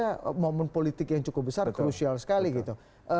sebenarnya momen politik yang cukup besar krusial sekali gitu